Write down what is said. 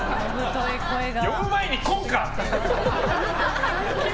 呼ぶ前に来んか！